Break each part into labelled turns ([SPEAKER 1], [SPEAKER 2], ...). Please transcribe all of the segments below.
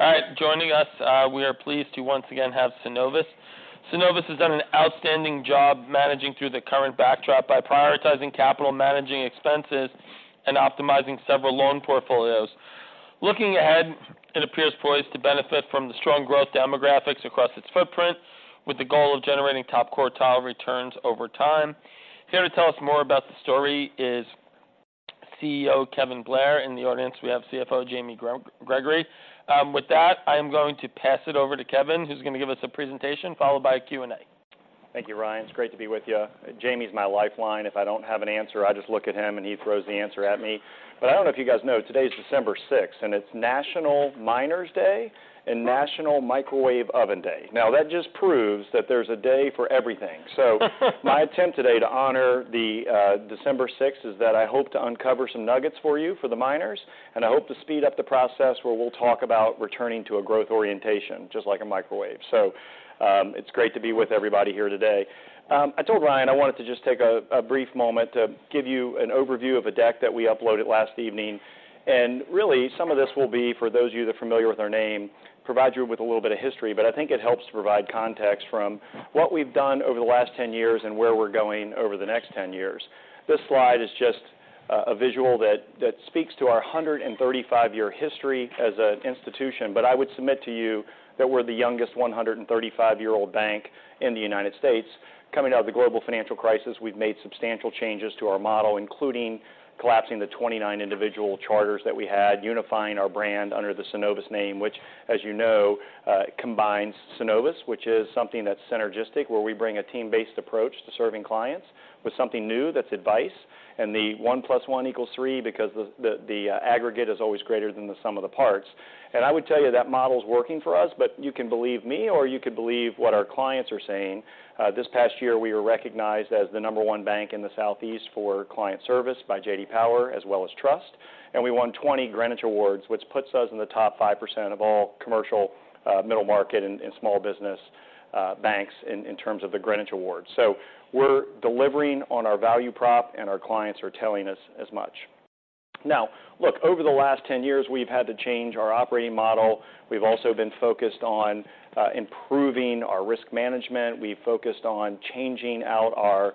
[SPEAKER 1] All right, joining us, we are pleased to once again have Synovus. Synovus has done an outstanding job managing through the current backdrop by prioritizing capital, managing expenses, and optimizing several loan portfolios. Looking ahead, it appears poised to benefit from the strong growth demographics across its footprint, with the goal of generating top quartile returns over time. Here to tell us more about the story is CEO Kevin Blair. In the audience, we have CFO Jamie Gregory. With that, I am going to pass it over to Kevin, who's going to give us a presentation, followed by a Q&A.
[SPEAKER 2] Thank you, Ryan. It's great to be with you. Jamie is my lifeline. If I don't have an answer, I just look at him, and he throws the answer at me. But I don't know if you guys know, today is December 6th, and it's National Miners Day and National Microwave Oven Day. Now, that just proves that there's a day for everything. So my attempt today to honor the December 6th is that I hope to uncover some nuggets for you, for the miners, and I hope to speed up the process where we'll talk about returning to a growth orientation, just like a microwave. So, it's great to be with everybody here today. I told Ryan I wanted to just take a brief moment to give you an overview of a deck that we uploaded last evening, and really, some of this will be for those of you that are familiar with our name, provide you with a little bit of history. But I think it helps to provide context from what we've done over the last 10 years and where we're going over the next 10 years. This slide is just a visual that speaks to our 135-year history as an institution. But I would submit to you that we're the youngest 135-year-old bank in the United States. Coming out of the global financial crisis, we've made substantial changes to our model, including collapsing the 29 individual charters that we had, unifying our brand under the Synovus name, which, as you know, combines Synovus, which is something that's synergistic, where we bring a team-based approach to serving clients, with something new, that's advice, and the one plus one equals three because the aggregate is always greater than the sum of the parts. I would tell you that model is working for us, but you can believe me or you could believe what our clients are saying. This past year, we were recognized as the number one bank in the Southeast for client service by J.D. Power, as well as trust. And we won 20 Greenwich Awards, which puts us in the top 5% of all commercial middle market and small business banks in terms of the Greenwich Awards. So we're delivering on our value prop, and our clients are telling us as much. Now, look, over the last 10 years, we've had to change our operating model. We've also been focused on improving our risk management. We've focused on changing out our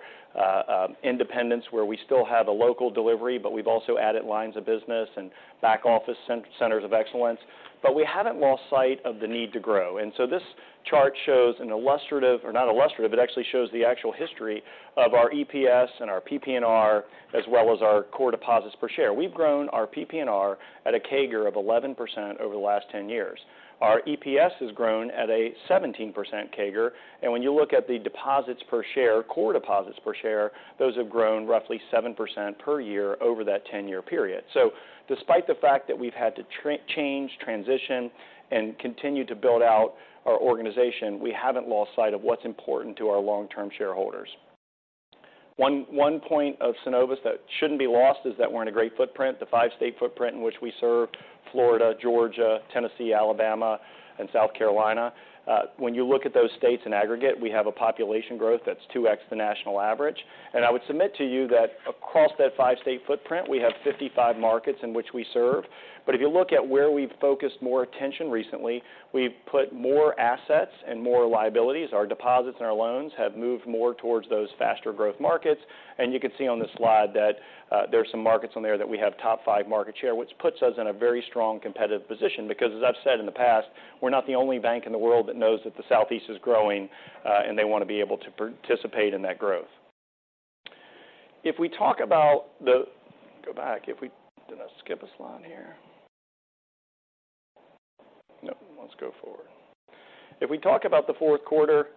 [SPEAKER 2] independence, where we still have a local delivery, but we've also added lines of business and back office centers of excellence. But we haven't lost sight of the need to grow. And so this chart shows an illustrative or not illustrative, it actually shows the actual history of our EPS and our PPNR, as well as our core deposits per share. We've grown our PPNR at a CAGR of 11% over the last 10 years. Our EPS has grown at a 17% CAGR, and when you look at the deposits per share, core deposits per share, those have grown roughly 7% per year over that 10-year period. So despite the fact that we've had to change, transition, and continue to build out our organization, we haven't lost sight of what's important to our long-term shareholders. One point of Synovus that shouldn't be lost is that we're in a great footprint, the five-state footprint in which we serve Florida, Georgia, Tennessee, Alabama, and South Carolina. When you look at those states in aggregate, we have a population growth that's 2x the national average. And I would submit to you that across that five-state footprint, we have 55 markets in which we serve. But if you look at where we've focused more attention recently, we've put more assets and more liabilities. Our deposits and our loans have moved more towards those faster growth markets. And you can see on the slide that, there are some markets on there that we have top five market share, which puts us in a very strong competitive position because, as I've said in the past, we're not the only bank in the world that knows that the Southeast is growing, and they want to be able to participate in that growth. If we talk about the go back. If we did I skip a slide here? No, let's go forward. If we talk about the fourth quarter,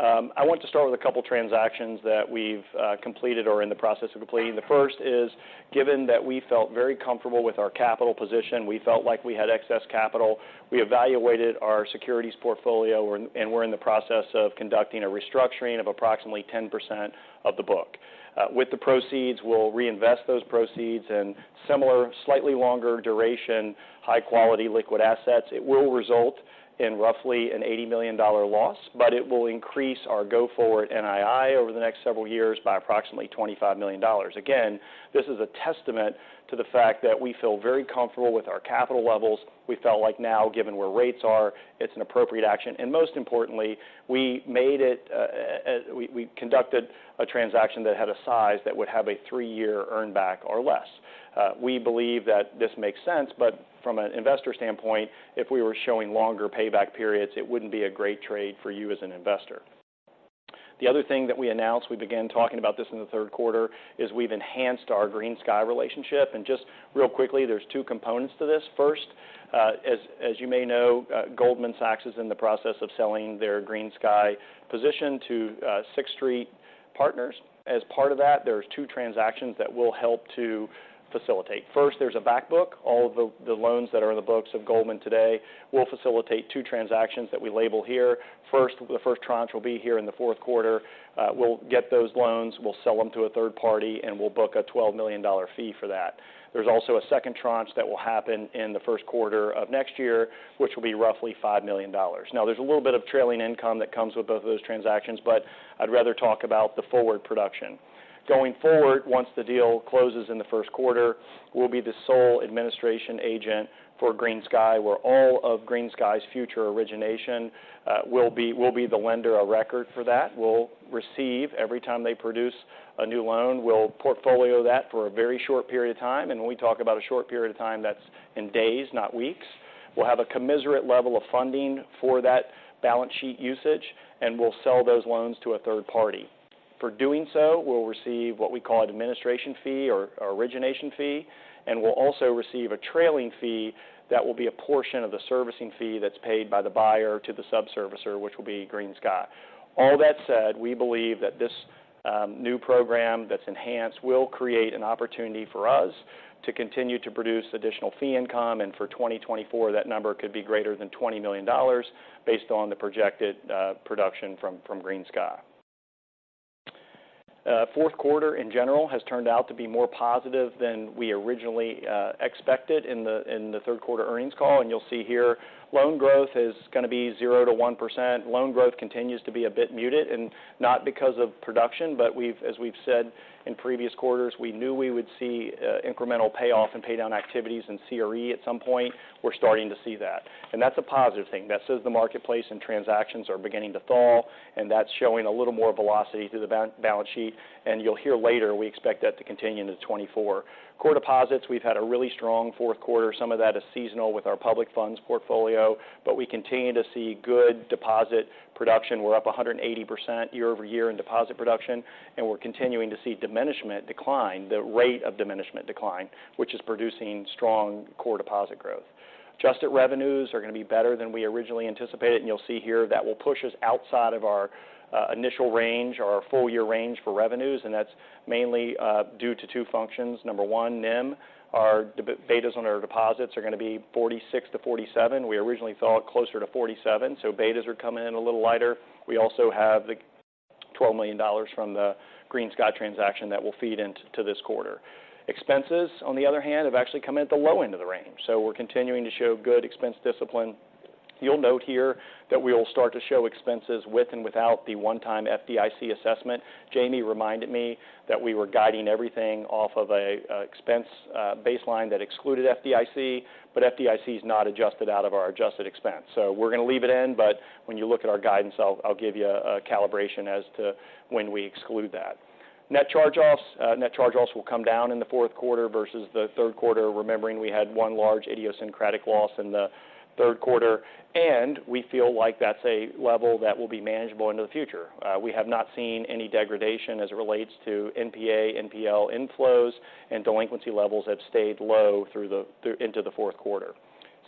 [SPEAKER 2] I want to start with a couple of transactions that we've completed or are in the process of completing. The first is, given that we felt very comfortable with our capital position, we felt like we had excess capital. We evaluated our securities portfolio, and we're in the process of conducting a restructuring of approximately 10% of the book. With the proceeds, we'll reinvest those proceeds in similar, slightly longer duration, high-quality liquid assets. It will result in roughly an $80 million loss, but it will increase our go-forward NII over the next several years by approximately $25 million. Again, this is a testament to the fact that we feel very comfortable with our capital levels. We felt like now, given where rates are, it's an appropriate action, and most importantly, we made it, we conducted a transaction that had a size that would have a three-year earn back or less. We believe that this makes sense, but from an investor standpoint, if we were showing longer payback periods, it wouldn't be a great trade for you as an investor. The other thing that we announced, we began talking about this in the third quarter, is we've enhanced our GreenSky relationship. And just real quickly, there's two components to this. First, as you may know, Goldman Sachs is in the process of selling their GreenSky position to, Sixth Street. As part of that, there's two transactions that we'll help to facilitate. First, there's a back book. All of the loans that are on the books of Goldman today, we'll facilitate two transactions that we label here. First, the first tranche will be here in the fourth quarter. We'll get those loans, we'll sell them to a third party, and we'll book a $12 million fee for that. There's also a second tranche that will happen in the first quarter of next year, which will be roughly $5 million. Now, there's a little bit of trailing income that comes with both of those transactions, but I'd rather talk about the forward production. Going forward, once the deal closes in the first quarter, we'll be the sole administration agent for GreenSky, where all of GreenSky's future origination, we'll be the lender of record for that. We'll receive every time they produce a new loan. We'll portfolio that for a very short period of time, and when we talk about a short period of time, that's in days, not weeks. We'll have a commensurate level of funding for that balance sheet usage, and we'll sell those loans to a third party. For doing so, we'll receive what we call an administration fee or origination fee, and we'll also receive a trailing fee that will be a portion of the servicing fee that's paid by the buyer to the sub-servicer, which will be GreenSky. All that said, we believe that this new program that's enhanced will create an opportunity for us to continue to produce additional fee income. And for 2024, that number could be greater than $20 million based on the projected production from GreenSky. Fourth quarter, in general, has turned out to be more positive than we originally expected in the third quarter earnings call. You'll see here, loan growth is going to be 0%-1%. Loan growth continues to be a bit muted and not because of production, but as we've said in previous quarters, we knew we would see incremental payoff and pay down activities in CRE at some point. We're starting to see that, and that's a positive thing. That says the marketplace and transactions are beginning to thaw, and that's showing a little more velocity to the balance sheet, and you'll hear later, we expect that to continue into 2024. Core deposits, we've had a really strong fourth quarter. Some of that is seasonal with our public funds portfolio, but we continue to see good deposit production. We're up 180% year-over-year in deposit production, and we're continuing to see diminishment decline, the rate of diminishment decline, which is producing strong core deposit growth. Adjusted revenues are going to be better than we originally anticipated, and you'll see here that will push us outside of our initial range or our full year range for revenues, and that's mainly due to two functions. Number one, NIM. Our deposit betas on our deposits are going to be 46-47. We originally thought closer to 47, so betas are coming in a little lighter. We also have the $12 million from the GreenSky transaction that will feed into this quarter. Expenses, on the other hand, have actually come in at the low end of the range, so we're continuing to show good expense discipline. You'll note here that we will start to show expenses with and without the one-time FDIC assessment. Jamie reminded me that we were guiding everything off of a expense baseline that excluded FDIC, but FDIC is not adjusted out of our adjusted expense. So we're going to leave it in, but when you look at our guidance, I'll give you a calibration as to when we exclude that. Net charge-offs will come down in the fourth quarter versus the third quarter, remembering we had one large idiosyncratic loss in the third quarter, and we feel like that's a level that will be manageable into the future. We have not seen any degradation as it relates to NPA, NPL inflows, and delinquency levels have stayed low through into the fourth quarter.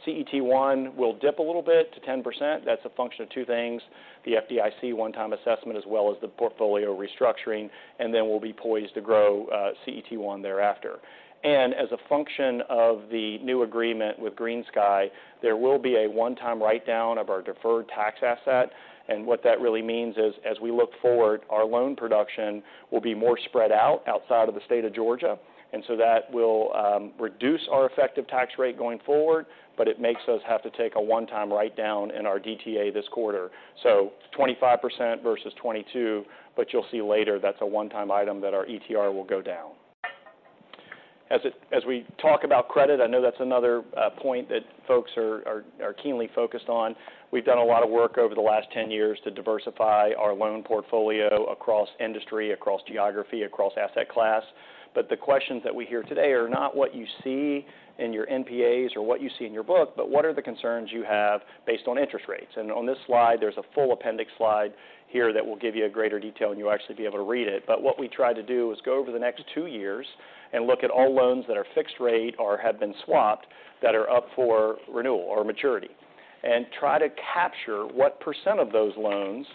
[SPEAKER 2] CET1 will dip a little bit to 10%. That's a function of two things, the FDIC one-time assessment, as well as the portfolio restructuring, and then we'll be poised to grow CET1 thereafter. And as a function of the new agreement with GreenSky, there will be a one-time write down of our deferred tax asset, and what that really means is, as we look forward, our loan production will be more spread out outside of the state of Georgia, and so that will reduce our effective tax rate going forward, but it makes us have to take a one-time write down in our DTA this quarter. So 25% versus 22, but you'll see later, that's a one-time item that our ETR will go down. As we talk about credit, I know that's another point that folks are keenly focused on. We've done a lot of work over the last 10 years to diversify our loan portfolio across industry, across geography, across asset class. But the questions that we hear today are not what you see in your NPAs or what you see in your book, but what are the concerns you have based on interest rates? On this slide, there's a full appendix slide here that will give you a greater detail, and you'll actually be able to read it. But what we tried to do is go over the next two years and look at all loans that are fixed rate or have been swapped that are up for renewal or maturity, and try to capture what percent of those loans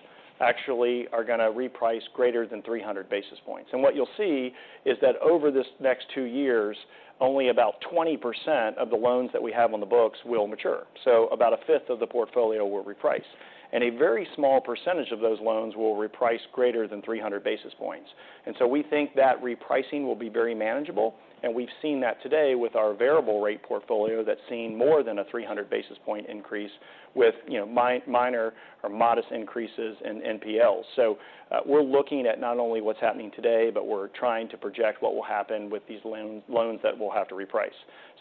[SPEAKER 2] actually are going to reprice greater than 300 basis points. What you'll see is that over this next two years, only about 20% of the loans that we have on the books will mature. So about a fifth of the portfolio will reprice, and a very small percentage of those loans will reprice greater than 300 basis points. And so we think that repricing will be very manageable, and we've seen that today with our variable rate portfolio that's seen more than a 300 basis point increase with, you know, minor or modest increases in NPLs. So, we're looking at not only what's happening today, but we're trying to project what will happen with these loans that we'll have to reprice.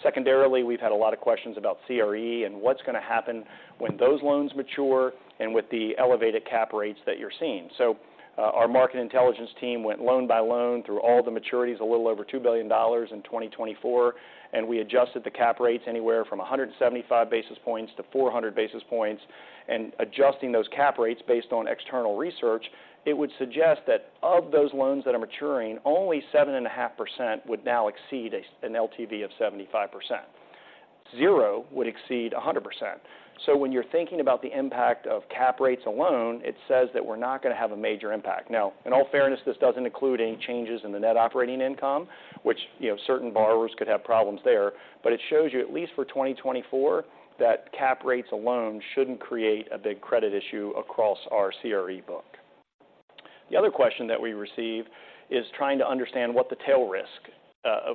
[SPEAKER 2] Secondarily, we've had a lot of questions about CRE and what's going to happen when those loans mature and with the elevated cap rates that you're seeing. So, our market intelligence team went loan by loan through all the maturities, a little over $2 billion in 2024, and we adjusted the cap rates anywhere from 175 basis points to 400 basis points. And adjusting those cap rates based on external research, it would suggest that of those loans that are maturing, only 7.5% would now exceed an LTV of 75%. Zero would exceed 100%. So when you're thinking about the impact of cap rates alone, it says that we're not going to have a major impact. Now, in all fairness, this doesn't include any changes in the net operating income, which, you know, certain borrowers could have problems there, but it shows you, at least for 2024, that cap rates alone shouldn't create a big credit issue across our CRE book. The other question that we receive is trying to understand what the tail risk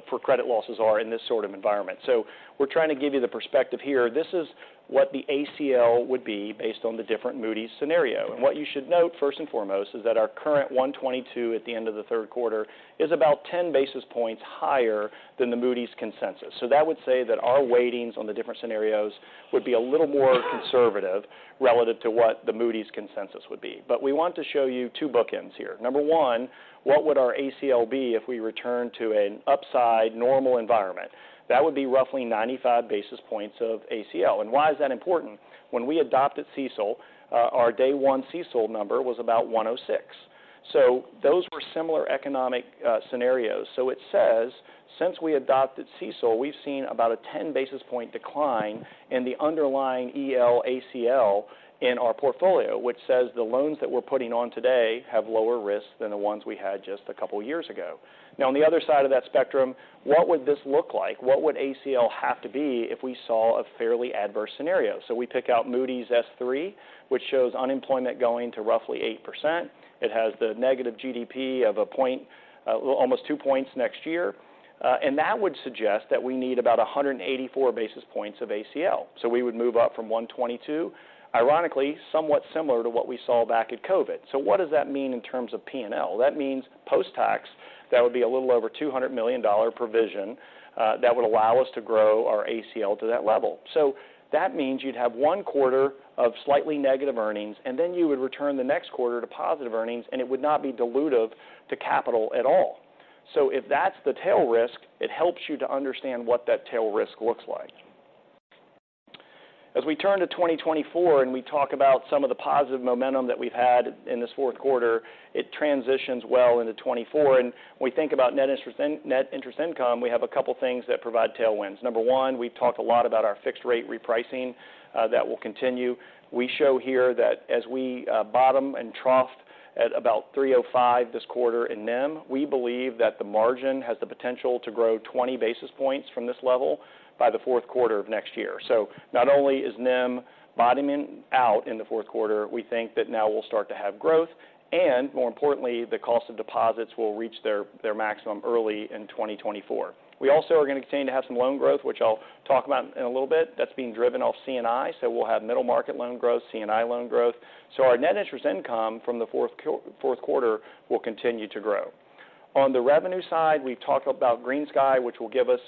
[SPEAKER 2] for credit losses are in this sort of environment. So we're trying to give you the perspective here. This is what the ACL would be based on the different Moody's scenario. And what you should note, first and foremost, is that our current 122 at the end of the third quarter is about 10 basis points higher than the Moody's consensus. So that would say that our weightings on the different scenarios would be a little more conservative relative to what the Moody's consensus would be. But we want to show you two bookends here. Number one, what would our ACL be if we returned to an upside normal environment? That would be roughly 95 basis points of ACL. And why is that important? When we adopted CECL, our day one CECL number was about 106. So those were similar economic scenarios. So it says, since we adopted CECL, we've seen about a 10 basis point decline in the underlying EL ACL in our portfolio, which says the loans that we're putting on today have lower risk than the ones we had just a couple years ago. Now, on the other side of that spectrum, what would this look like? What would ACL have to be if we saw a fairly adverse scenario? So we pick out Moody's S3, which shows unemployment going to roughly 8%. It has the negative GDP of one point, almost two points next year. And that would suggest that we need about 184 basis points of ACL. So we would move up from 122, ironically, somewhat similar to what we saw back at COVID. So what does that mean in terms of P&L? That means post-tax, that would be a little over $200 million provision that would allow us to grow our ACL to that level. So that means you'd have one quarter of slightly negative earnings, and then you would return the next quarter to positive earnings, and it would not be dilutive to capital at all. So if that's the tail risk, it helps you to understand what that tail risk looks like. As we turn to 2024 and we talk about some of the positive momentum that we've had in this fourth quarter, it transitions well into 2024. And when we think about net interest income, we have a couple things that provide tailwinds. Number one, we've talked a lot about our fixed rate repricing, that will continue. We show here that as we bottom and trough at about 305 this quarter in NIM, we believe that the margin has the potential to grow 20 basis points from this level by the fourth quarter of next year. So not only is NIM bottoming out in the fourth quarter, we think that now we'll start to have growth, and more importantly, the cost of deposits will reach their maximum early in 2024. We also are going to continue to have some loan growth, which I'll talk about in a little bit. That's being driven off C&I, so we'll have middle market loan growth, C&I loan growth. So our net interest income from the fourth quarter will continue to grow. On the revenue side, we've talked about GreenSky, which will give us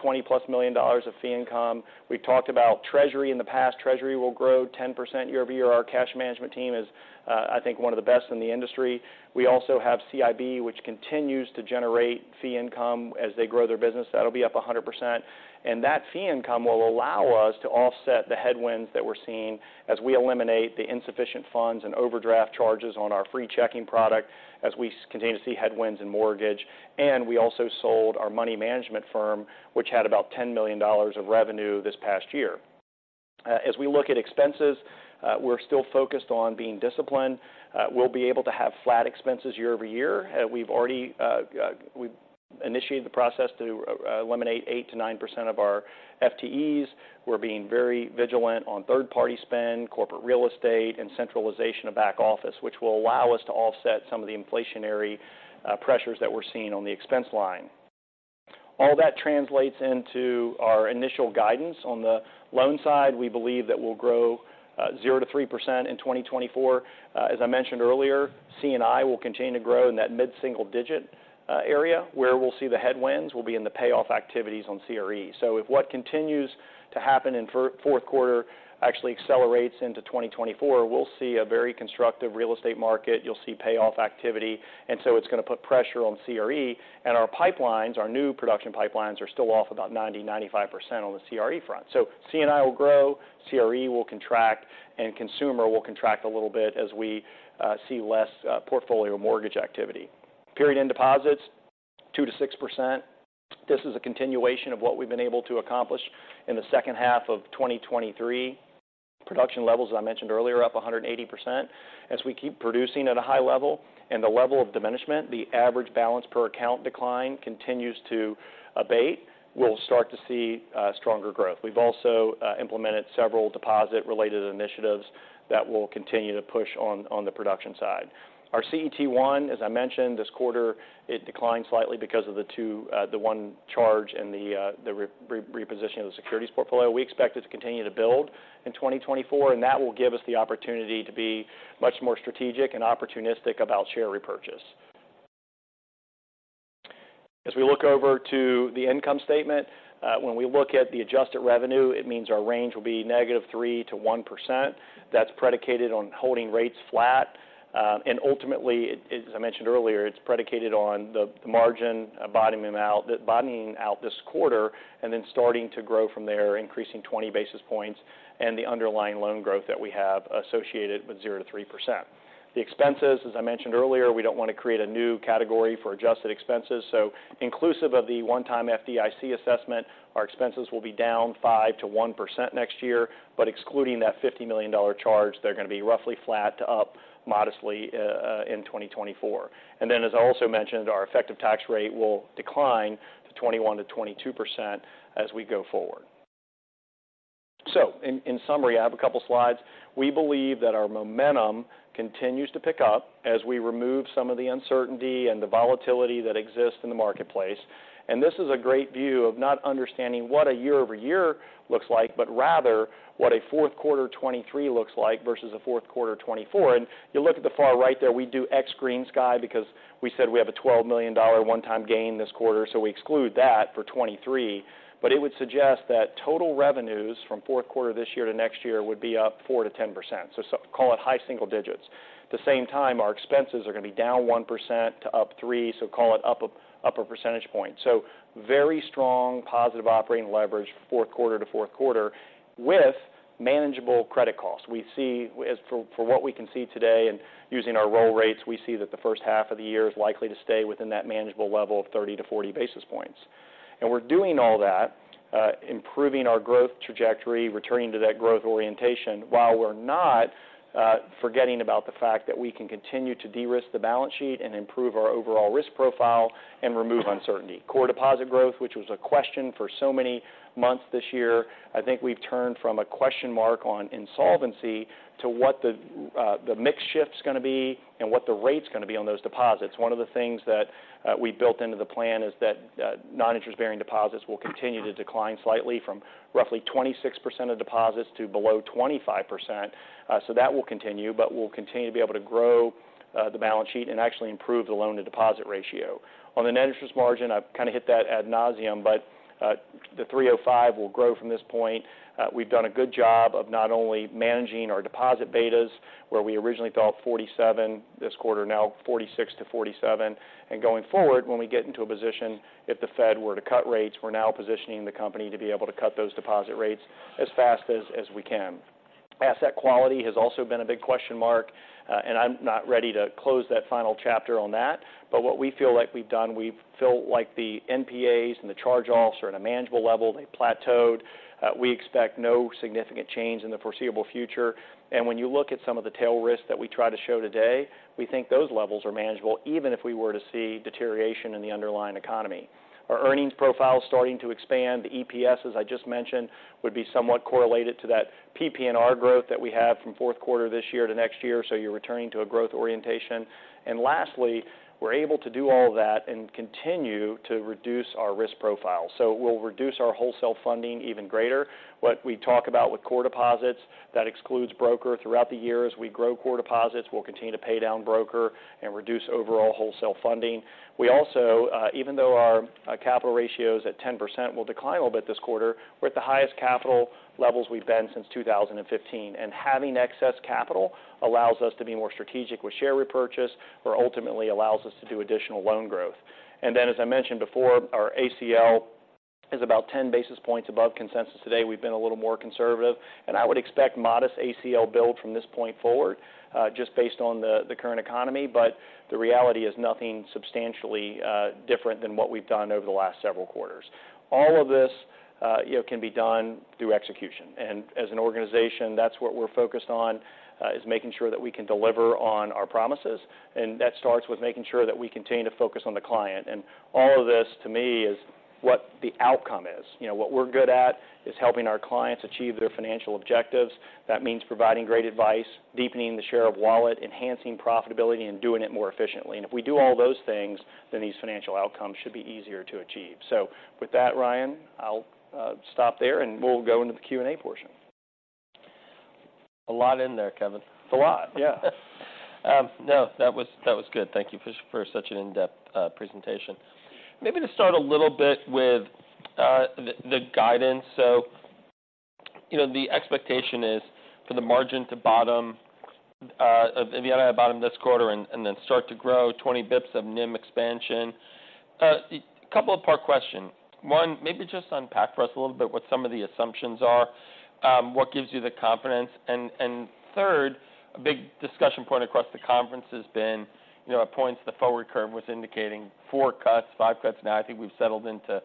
[SPEAKER 2] 20 plus million dollars of fee income. We've talked about Treasury in the past. Treasury will grow 10% year-over-year. Our cash management team is, I think, one of the best in the industry. We also have CIB, which continues to generate fee income as they grow their business. That'll be up 100%. And that fee income will allow us to offset the headwinds that we're seeing as we eliminate the insufficient funds and overdraft charges on our free checking product, as we continue to see headwinds in mortgage. And we also sold our money management firm, which had about $10 million of revenue this past year. As we look at expenses, we're still focused on being disciplined. We'll be able to have flat expenses year-over-year. We've already initiated the process to eliminate 8%-9% of our FTEs. We're being very vigilant on third-party spend, corporate real estate, and centralization of back office, which will allow us to offset some of the inflationary pressures that we're seeing on the expense line. All that translates into our initial guidance. On the loan side, we believe that we'll grow 0%-3% in 2024. As I mentioned earlier, C&I will continue to grow in that mid-single-digit area. Where we'll see the headwinds will be in the payoff activities on CRE. So if what continues to happen in fourth quarter actually accelerates into 2024, we'll see a very constructive real estate market. You'll see payoff activity, and so it's going to put pressure on CRE. And our pipelines, our new production pipelines, are still off about 90%-95% on the CRE front. So C&I will grow, CRE will contract, and consumer will contract a little bit as we see less portfolio mortgage activity. Period-end deposits, 2%-6%. This is a continuation of what we've been able to accomplish in the second half of 2023. Production levels, as I mentioned earlier, are up 180%. As we keep producing at a high level and the level of diminishment, the average balance per account decline continues to abate, we'll start to see stronger growth. We've also implemented several deposit-related initiatives that will continue to push on the production side. Our CET1, as I mentioned this quarter, it declined slightly because of the one charge and the repositioning of the securities portfolio. We expect it to continue to build in 2024, and that will give us the opportunity to be much more strategic and opportunistic about share repurchase. As we look over to the income statement, when we look at the adjusted revenue, it means our range will be -3% to 1%. That's predicated on holding rates flat. Ultimately, it, as I mentioned earlier, it's predicated on the margin bottoming out this quarter and then starting to grow from there, increasing 20 basis points, and the underlying loan growth that we have associated with 0%-3%. The expenses, as I mentioned earlier, we don't want to create a new category for adjusted expenses. So inclusive of the one-time FDIC assessment, our expenses will be down 5% to 1% next year. But excluding that $50 million charge, they're going to be roughly flat to up modestly in 2024. And then, as I also mentioned, our effective tax rate will decline to 21%-22% as we go forward. So in summary, I have a couple slides. We believe that our momentum continues to pick up as we remove some of the uncertainty and the volatility that exists in the marketplace. And this is a great view of not understanding what a year-over-year looks like, but rather what a fourth quarter 2023 looks like versus a fourth quarter 2024. And you look at the far right there, we do ex GreenSky because we said we have a $12 million one-time gain this quarter, so we exclude that for 2023. But it would suggest that total revenues from fourth quarter this year to next year would be up 4%-10%. So call it high single digits. At the same time, our expenses are going to be down 1% to up 3%, so call it up a percentage point. So very strong, positive operating leverage fourth quarter to fourth quarter with manageable credit costs. We see as for what we can see today and using our roll rates, we see that the first half of the year is likely to stay within that manageable level of 30-40 basis points. And we're doing all that, improving our growth trajectory, returning to that growth orientation, while we're not forgetting about the fact that we can continue to de-risk the balance sheet and improve our overall risk profile and remove uncertainty. Core deposit growth, which was a question for so many months this year, I think we've turned from a question mark on insolvency to what the mix shift's going to be and what the rate's going to be on those deposits. One of the things that we built into the plan is that, non-interest bearing deposits will continue to decline slightly from roughly 26% of deposits to below 25%. So that will continue, but we'll continue to be able to grow the balance sheet and actually improve the loan to deposit ratio. On the net interest margin, I've kind of hit that ad nauseam, but the 3.05 will grow from this point. We've done a good job of not only managing our deposit betas, where we originally thought 47 this quarter, now 46-47. And going forward, when we get into a position, if the Fed were to cut rates, we're now positioning the company to be able to cut those deposit rates as fast as we can. Asset quality has also been a big question mark, and I'm not ready to close that final chapter on that. But what we feel like we've done, we've felt like the NPAs and the charge-offs are at a manageable level. They've plateaued. We expect no significant change in the foreseeable future. And when you look at some of the tail risks that we try to show today, we think those levels are manageable, even if we were to see deterioration in the underlying economy. Our earnings profile is starting to expand. The EPS, as I just mentioned, would be somewhat correlated to that PPNR growth that we have from fourth quarter this year to next year, so you're returning to a growth orientation. And lastly, we're able to do all of that and continue to reduce our risk profile. So we'll reduce our wholesale funding even greater. What we talk about with core deposits, that excludes broker. Throughout the year, as we grow core deposits, we'll continue to pay down broker and reduce overall wholesale funding. We also, even though our, capital ratio is at 10%, will decline a little bit this quarter. We're at the highest capital levels we've been since 2015, and having excess capital allows us to be more strategic with share repurchase, or ultimately allows us to do additional loan growth. And then, as I mentioned before, our ACL is about 10 basis points above consensus. Today, we've been a little more conservative, and I would expect modest ACL build from this point forward, just based on the current economy. But the reality is nothing substantially different than what we've done over the last several quarters. All of this, you know, can be done through execution. And as an organization, that's what we're focused on, is making sure that we can deliver on our promises, and that starts with making sure that we continue to focus on the client. And all of this, to me, is what the outcome is. You know, what we're good at is helping our clients achieve their financial objectives. That means providing great advice, deepening the share of wallet, enhancing profitability, and doing it more efficiently. If we do all those things, then these financial outcomes should be easier to achieve. With that, Ryan, I'll stop there, and we'll go into the Q&A portion.
[SPEAKER 1] A lot in there, Kevin.
[SPEAKER 2] It's a lot, yeah.
[SPEAKER 1] No, that was, that was good. Thank you for such an in-depth presentation. Maybe to start a little bit with the guidance. So, you know, the expectation is for the margin to bottom at the end of this quarter and then start to grow 20 basis points of NIM expansion. A couple-part question. One, maybe just unpack for us a little bit what some of the assumptions are, what gives you the confidence? And third, a big discussion point across the conference has been, you know, at points, the forward curve was indicating four cuts, five cuts. Now, I think we've settled into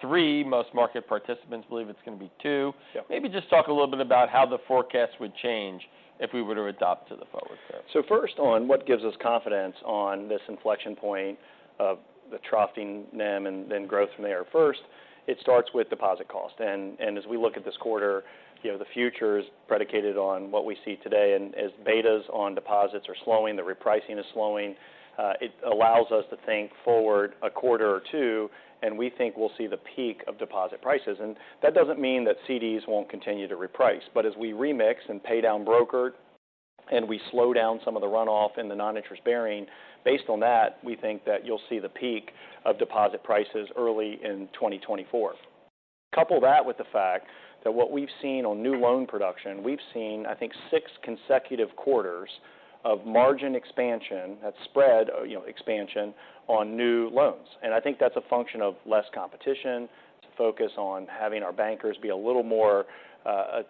[SPEAKER 1] three. Most market participants believe it's going to be two.
[SPEAKER 2] Yep.
[SPEAKER 1] Maybe just talk a little bit about how the forecast would change if we were to adopt to the forward curve.
[SPEAKER 2] So first, on what gives us confidence on this inflection point of the troughing NIM and then growth from there. First, it starts with deposit cost, and as we look at this quarter, you know, the future is predicated on what we see today. And as betas on deposits are slowing, the repricing is slowing, it allows us to think forward a quarter or two, and we think we'll see the peak of deposit prices. And that doesn't mean that CDs won't continue to reprice, but as we remix and pay down broker and we slow down some of the runoff in the non-interest bearing, based on that, we think that you'll see the peak of deposit prices early in 2024. Couple that with the fact that what we've seen on new loan production, we've seen, I think, six consecutive quarters of margin expansion, that spread, you know, expansion on new loans. And I think that's a function of less competition. It's a focus on having our bankers be a little more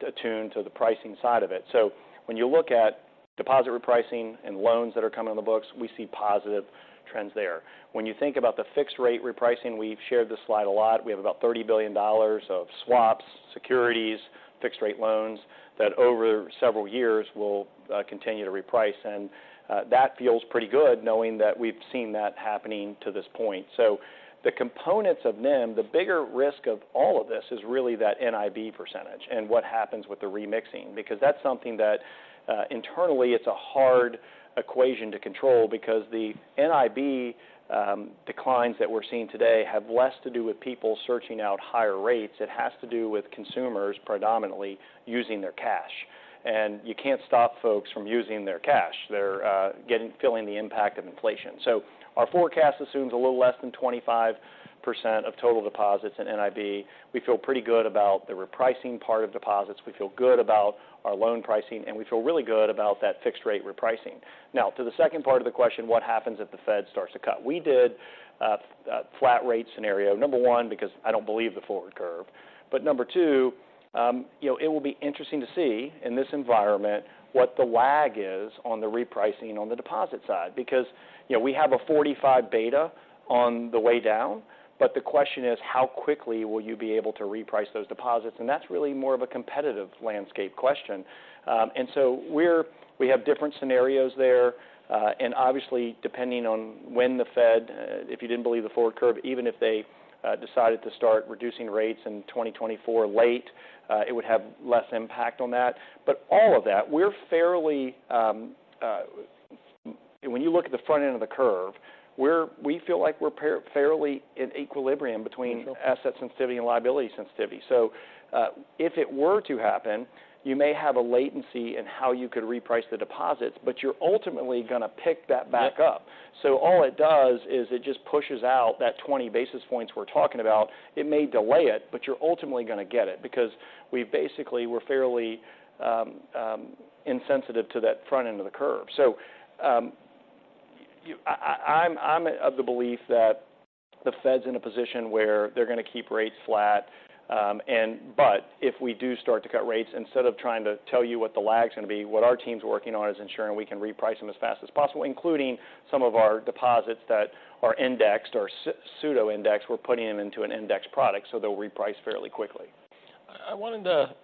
[SPEAKER 2] attuned to the pricing side of it. So when you look at deposit repricing and loans that are coming on the books, we see positive trends there. When you think about the fixed-rate repricing, we've shared this slide a lot. We have about $30 billion of swaps, securities, fixed-rate loans that over several years will continue to reprice, and that feels pretty good, knowing that we've seen that happening to this point. So the components of NIM, the bigger risk of all of this is really that NIB percentage and what happens with the remixing, because that's something that, internally, it's a hard equation to control because the NIB declines that we're seeing today have less to do with people searching out higher rates. It has to do with consumers predominantly using their cash, and you can't stop folks from using their cash. They're getting feeling the impact of inflation. So our forecast assumes a little less than 25% of total deposits in NIB. We feel pretty good about the repricing part of deposits, we feel good about our loan pricing, and we feel really good about that fixed-rate repricing. Now, to the second part of the question, what happens if the Fed starts to cut? We did a flat rate scenario, number one, because I don't believe the forward curve, but number two, you know, it will be interesting to see in this environment what the lag is on the repricing on the deposit side, because, you know, we have a 45 beta on the way down, but the question is: How quickly will you be able to reprice those deposits? And that's really more of a competitive landscape question. And so we have different scenarios there. And obviously, depending on when the Fed, if you didn't believe the forward curve, even if they decided to start reducing rates late in 2024, it would have less impact on that. But all of that, we're fairly, when you look at the front end of the curve, we feel like we're fairly in equilibrium between
[SPEAKER 1] Sure
[SPEAKER 2] asset sensitivity and liability sensitivity. So, if it were to happen, you may have a latency in how you could reprice the deposits, but you're ultimately going to pick that back up.
[SPEAKER 1] Yep.
[SPEAKER 2] So all it does is it just pushes out that 20 basis points we're talking about. It may delay it, but you're ultimately going to get it because we basically were fairly insensitive to that front end of the curve. So, I'm of the belief that the Fed's in a position where they're going to keep rates flat, and but if we do start to cut rates, instead of trying to tell you what the lag is going to be, what our team's working on is ensuring we can reprice them as fast as possible, including some of our deposits that are indexed or pseudo-indexed, we're putting them into an indexed product, so they'll reprice fairly quickly.
[SPEAKER 1] I wanted to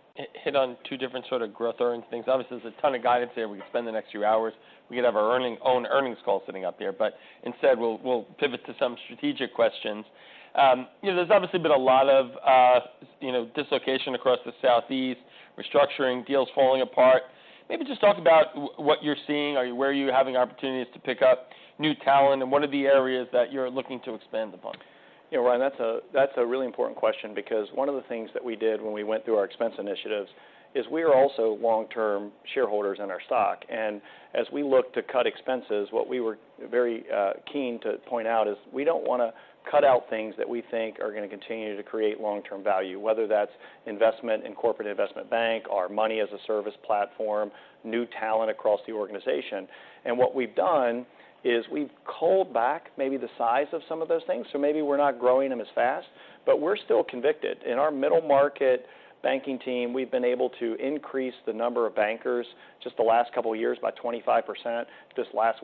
[SPEAKER 1] hit on two different sort of growth earning things. Obviously, there's a ton of guidance there. We could spend the next few hours. We could have our own earnings call sitting up there, but instead, we'll, we'll pivot to some strategic questions. You know, there's obviously been a lot of, you know, dislocation across the Southeast, restructuring, deals falling apart. Maybe just talk about what you're seeing. Where are you having opportunities to pick up new talent, and what are the areas that you're looking to expand the bank?
[SPEAKER 2] You know, Ryan, that's a, that's a really important question because one of the things that we did when we went through our expense initiatives is we are also long-term shareholders in our stock. And as we look to cut expenses, what we were very keen to point out is we don't want to cut out things that we think are going to continue to create long-term value, whether that's investment in Corporate Investment Bank, our money as a service platform, new talent across the organization. And what we've done is we've culled back maybe the size of some of those things, so maybe we're not growing them as fast, but we're still convicted. In our middle market banking team, we've been able to increase the number of bankers just the last couple of years by 25%. This last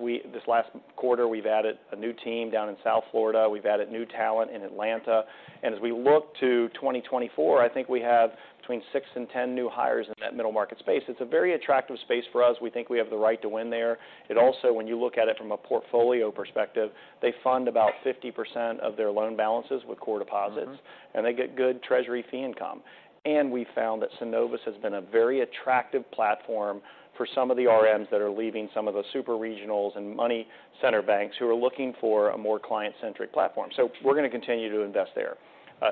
[SPEAKER 2] quarter, we've added a new team down in South Florida. We've added new talent in Atlanta. And as we look to 2024, I think we have between six and 10 new hires in that middle market space. It's a very attractive space for us. We think we have the right to win there. It also, when you look at it from a portfolio perspective, they fund about 50% of their loan balances with core deposits.
[SPEAKER 1] Mm-hmm.
[SPEAKER 2] and they get good Treasury fee income. And we found that Synovus has been a very attractive platform for some of the RMs that are leaving some of the super regionals and money center banks who are looking for a more client-centric platform. So we're going to continue to invest there.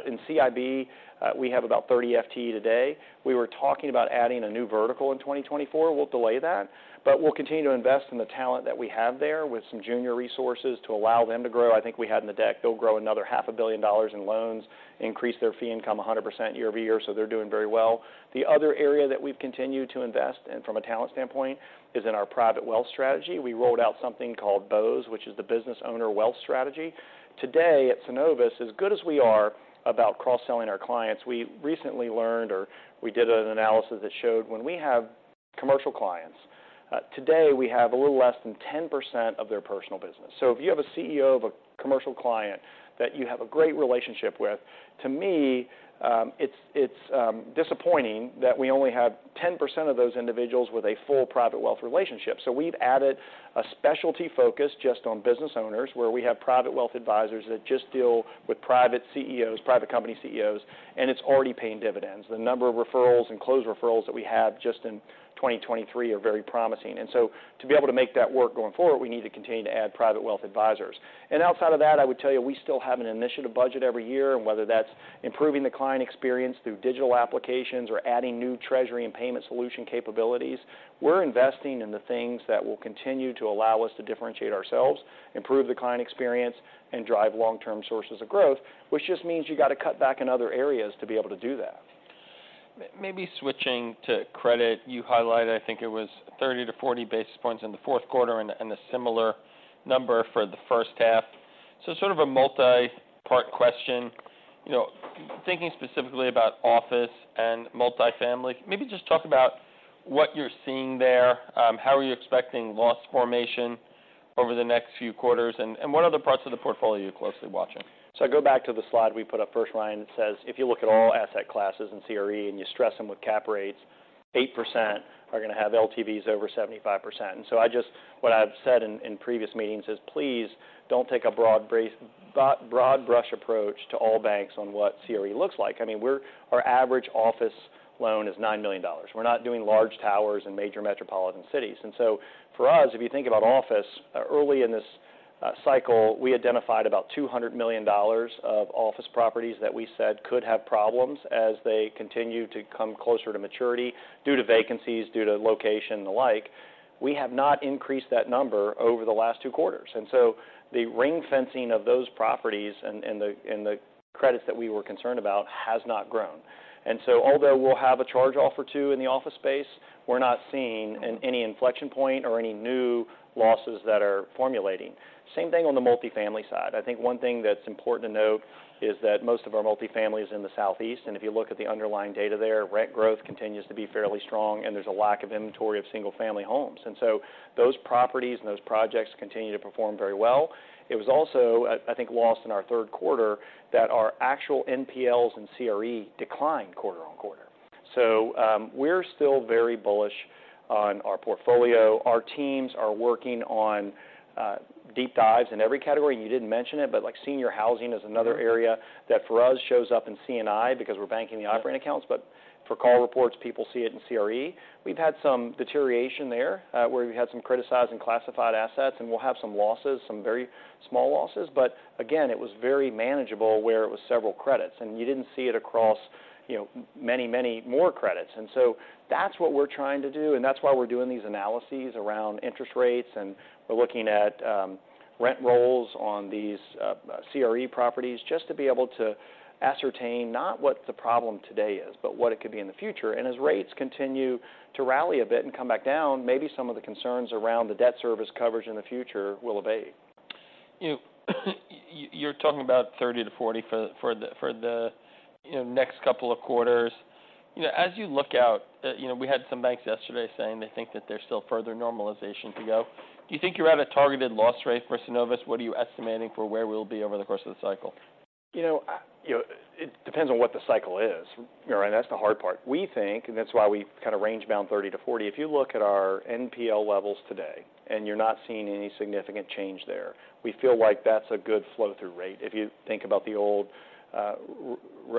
[SPEAKER 2] In CIB, we have about 30 FTE today. We were talking about adding a new vertical in 2024. We'll delay that, but we'll continue to invest in the talent that we have there with some junior resources to allow them to grow. I think we had in the deck, they'll grow another $500 million in loans, increase their fee income 100% year-over-year, so they're doing very well. The other area that we've continued to invest in from a talent standpoint is in our private wealth strategy. We rolled out something called BOWS, which is the Business Owner Wealth Strategy. Today at Synovus, as good as we are about cross-selling our clients, we recently learned or we did an analysis that showed when we have commercial clients, today, we have a little less than 10% of their personal business. So if you have a CEO of a commercial client that you have a great relationship with, to me, it's disappointing that we only have 10% of those individuals with a full private wealth relationship. So we've added a specialty focus just on business owners, where we have private wealth advisors that just deal with private CEOs, private company CEOs, and it's already paying dividends. The number of referrals and closed referrals that we have just in 2023 are very promising. And so to be able to make that work going forward, we need to continue to add private wealth advisors. Outside of that, I would tell you, we still have an initiative budget every year, and whether that's improving the client experience through digital applications or adding new treasury and payment solution capabilities, we're investing in the things that will continue to allow us to differentiate ourselves, improve the client experience, and drive long-term sources of growth, which just means you got to cut back in other areas to be able to do that.
[SPEAKER 1] Maybe switching to credit, you highlighted, I think it was 30-40 basis points in the fourth quarter and, and a similar number for the first half. So sort of a multi-part question. You know, thinking specifically about office and multifamily, maybe just talk about what you're seeing there. How are you expecting loss formation over the next few quarters? And, and what other parts of the portfolio are you closely watching?
[SPEAKER 2] So I go back to the slide we put up first, Ryan. It says, if you look at all asset classes in CRE and you stress them with cap rates, 8% are going to have LTVs over 75%. And so what I've said in previous meetings is, please don't take a broad brush approach to all banks on what CRE looks like. I mean, our average office loan is $9 million. We're not doing large towers in major metropolitan cities. And so for us, if you think about office, early in this cycle, we identified about $200 million of office properties that we said could have problems as they continue to come closer to maturity due to vacancies, due to location and the like. We have not increased that number over the last two quarters. And so the ring-fencing of those properties and the credits that we were concerned about has not grown. And so although we'll have a charge off or two in the office space, we're not seeing any inflection point or any new losses that are formulating. Same thing on the multifamily side. I think one thing that's important to note is that most of our multifamily is in the Southeast, and if you look at the underlying data there, rent growth continues to be fairly strong, and there's a lack of inventory of single-family homes. And so those properties and those projects continue to perform very well. It was also, I think, lost in our third quarter that our actual NPLs and CRE declined quarter-over-quarter. So, we're still very bullish on our portfolio. Our teams are working on deep dives in every category. You didn't mention it, but like, senior housing is another area that, for us, shows up in C&I because we're banking the operating accounts. But for call reports, people see it in CRE. We've had some deterioration there, where we've had some criticized and classified assets, and we'll have some losses, some very small losses. But again, it was very manageable where it was several credits, and you didn't see it across, you know, many, many more credits. And so that's what we're trying to do, and that's why we're doing these analyses around interest rates, and we're looking at rent rolls on these CRE properties, just to be able to ascertain not what the problem today is, but what it could be in the future. As rates continue to rally a bit and come back down, maybe some of the concerns around the debt service coverage in the future will abate.
[SPEAKER 1] You're talking about 30-40 for the next couple of quarters. You know, as you look out, you know, we had some banks yesterday saying they think that there's still further normalization to go. Do you think you're at a targeted loss rate for Synovus? What are you estimating for where we'll be over the course of the cycle?
[SPEAKER 2] You know, you know, it depends on what the cycle is, all right? That's the hard part. We think, and that's why we kind of range bound 30-40. If you look at our NPL levels today, and you're not seeing any significant change there, we feel like that's a good flow-through rate. If you think about the old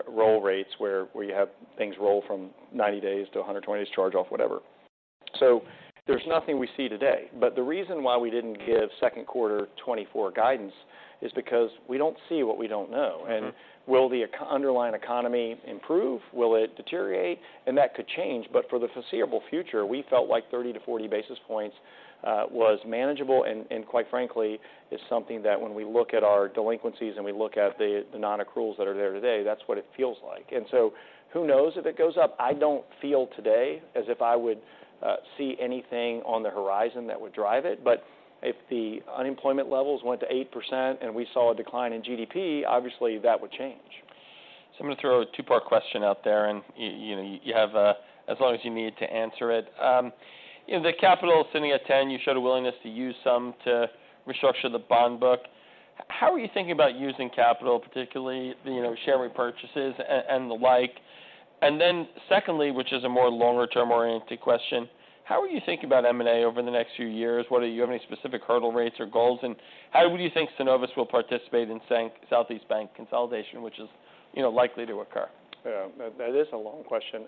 [SPEAKER 2] roll rates, where you have things roll from 90 days to 120 days, charge off, whatever. So there's nothing we see today, but the reason why we didn't give second quarter 2024 guidance is because we don't see what we don't know.
[SPEAKER 1] Mm-hmm.
[SPEAKER 2] Will the underlying economy improve? Will it deteriorate? That could change, but for the foreseeable future, we felt like 30-40 basis points was manageable, and quite frankly, is something that when we look at our delinquencies and we look at the nonaccruals that are there today, that's what it feels like. So who knows if it goes up? I don't feel today as if I would see anything on the horizon that would drive it. But if the unemployment levels went to 8% and we saw a decline in GDP, obviously that would change.
[SPEAKER 1] So I'm going to throw a two-part question out there, and you know, you have as long as you need to answer it. The capital sitting at 10, you showed a willingness to use some to restructure the bond book. How are you thinking about using capital, particularly, you know, share repurchases and the like? And then secondly, which is a more longer term-oriented question, how are you thinking about M&A over the next few years? Do you have any specific hurdle rates or goals, and how do you think Synovus will participate in Southeast bank consolidation, which is, you know, likely to occur?
[SPEAKER 2] Yeah, that is a long question.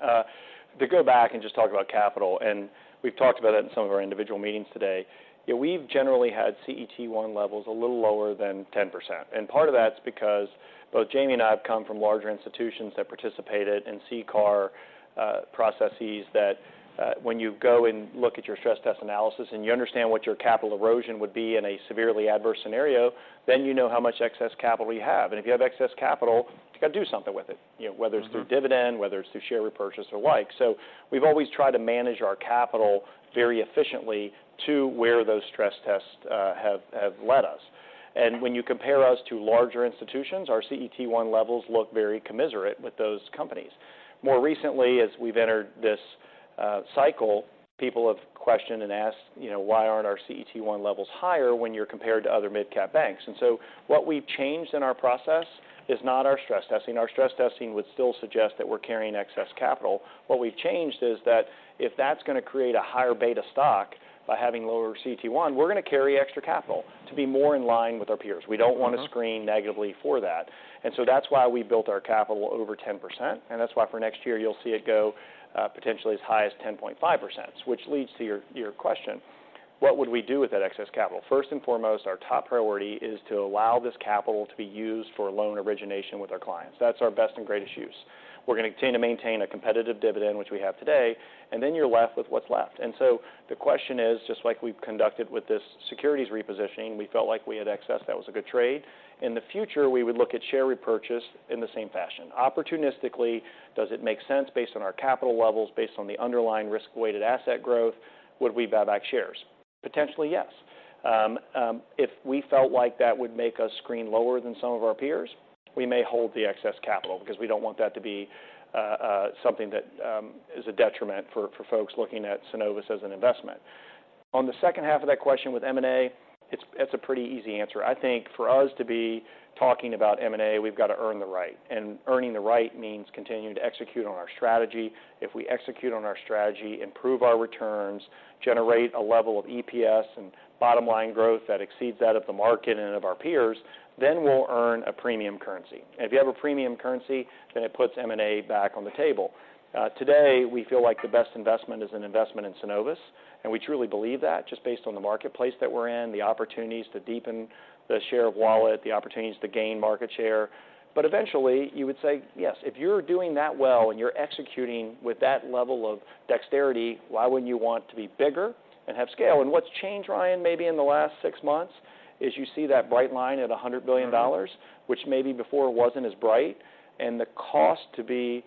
[SPEAKER 2] To go back and just talk about capital, and we've talked about it in some of our individual meetings today, you know, we've generally had CET1 levels a little lower than 10%. And part of that's because both Jamie and I have come from larger institutions that participated in CCAR processes, that, when you go and look at your stress test analysis and you understand what your capital erosion would be in a severely adverse scenario, then you know how much excess capital you have. And if you have excess capital, you got to do something with it, you know, whether
[SPEAKER 1] Mm-hmm
[SPEAKER 2] it's through dividend, whether it's through share repurchase or the like. So we've always tried to manage our capital very efficiently to where those stress tests have led us. And when you compare us to larger institutions, our CET1 levels look very commensurate with those companies. More recently, as we've entered this cycle, people have questioned and asked, you know, "Why aren't our CET1 levels higher when you're compared to other midcap banks?" And so what we've changed in our process is not our stress testing. Our stress testing would still suggest that we're carrying excess capital. What we've changed is that if that's going to create a higher beta stock by having lower CET1, we're going to carry extra capital to be more in line with our peers.
[SPEAKER 1] Mm-hmm.
[SPEAKER 2] We don't want to screen negatively for that. And so that's why we built our capital over 10%, and that's why for next year, you'll see it go potentially as high as 10.5%. Which leads to your, your question: What would we do with that excess capital? First and foremost, our top priority is to allow this capital to be used for loan origination with our clients. That's our best and greatest use. We're going to continue to maintain a competitive dividend, which we have today, and then you're left with what's left. And so the question is, just like we've conducted with this securities repositioning, we felt like we had excess. That was a good trade. In the future, we would look at share repurchase in the same fashion. Opportunistically, does it make sense based on our capital levels, based on the underlying risk-weighted asset growth, would we buy back shares? Potentially, yes. If we felt like that would make us screen lower than some of our peers, we may hold the excess capital because we don't want that to be something that is a detriment for folks looking at Synovus as an investment. On the second half of that question with M&A, it's, that's a pretty easy answer. I think for us to be talking about M&A, we've got to earn the right, and earning the right means continuing to execute on our strategy. If we execute on our strategy, improve our returns, generate a level of EPS and bottom line growth that exceeds that of the market and of our peers, then we'll earn a premium currency. If you have a premium currency, then it puts M&A back on the table. Today, we feel like the best investment is an investment in Synovus, and we truly believe that just based on the marketplace that we're in, the opportunities to deepen the share of wallet, the opportunities to gain market share. But eventually, you would say, yes, if you're doing that well and you're executing with that level of dexterity, why wouldn't you want to be bigger and have scale? And what's changed, Ryan, maybe in the last six months, is you see that bright line at $100 billion.
[SPEAKER 1] Mm-hmm
[SPEAKER 2] which maybe before wasn't as bright. And the cost to be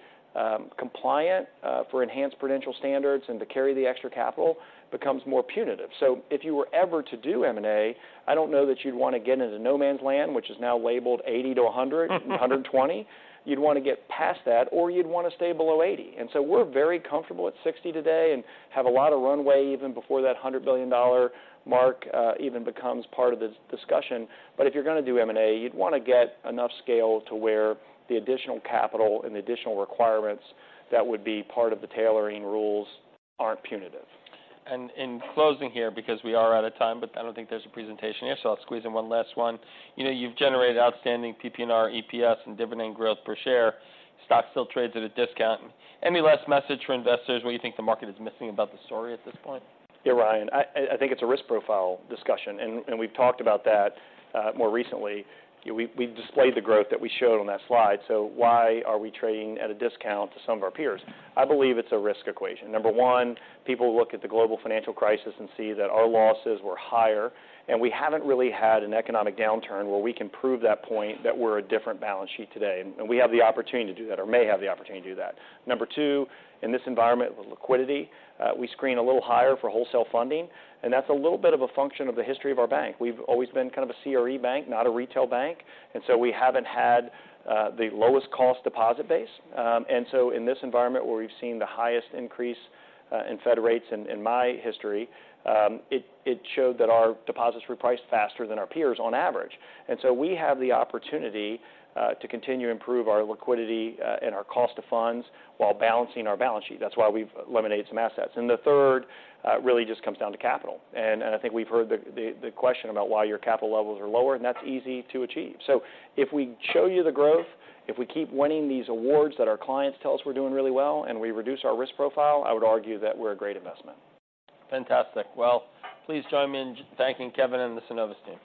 [SPEAKER 2] compliant for enhanced prudential standards and to carry the extra capital becomes more punitive. So if you were ever to do M&A, I don't know that you'd want to get into no man's land, which is now labeled 80-120. You'd want to get past that, or you'd want to stay below 80. And so we're very comfortable at 60 today and have a lot of runway even before that $100 billion mark even becomes part of the discussion. But if you're going to do M&A, you'd want to get enough scale to where the additional capital and the additional requirements that would be part of the tailoring rules aren't punitive.
[SPEAKER 1] In closing here, because we are out of time, but I don't think there's a presentation here, so I'll squeeze in one last one. You know, you've generated outstanding PPNR, EPS, and dividend growth per share. Stock still trades at a discount. Any last message for investors what you think the market is missing about the story at this point?
[SPEAKER 2] Yeah, Ryan, I think it's a risk profile discussion, and we've talked about that more recently. We displayed the growth that we showed on that slide, so why are we trading at a discount to some of our peers? I believe it's a risk equation. Number one, people look at the global financial crisis and see that our losses were higher, and we haven't really had an economic downturn where we can prove that point that we're a different balance sheet today, and we have the opportunity to do that, or may have the opportunity to do that. Number two, in this environment with liquidity, we screen a little higher for wholesale funding, and that's a little bit of a function of the history of our bank. We've always been kind of a CRE bank, not a retail bank, and so we haven't had the lowest cost deposit base. And so in this environment, where we've seen the highest increase in Fed rates in my history, it showed that our deposits repriced faster than our peers on average. And so we have the opportunity to continue to improve our liquidity and our cost of funds while balancing our balance sheet. That's why we've eliminated some assets. And the third really just comes down to capital. And I think we've heard the question about why your capital levels are lower, and that's easy to achieve. So if we show you the growth, if we keep winning these awards that our clients tell us we're doing really well, and we reduce our risk profile, I would argue that we're a great investment.
[SPEAKER 1] Fantastic. Well, please join me in thanking Kevin and the Synovus team.